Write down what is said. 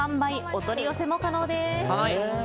お取り寄せも可能です。